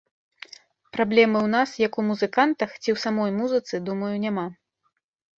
Праблемы ў нас, як у музыкантах, ці ў самой музыцы, думаю, няма.